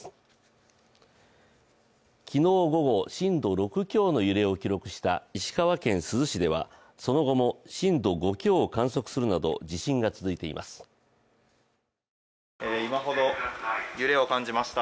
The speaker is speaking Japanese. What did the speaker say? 昨日午後、震度６強の揺れを記録した石川県珠洲市ではその後も震度５強を観測するなど今ほど揺れを感じました。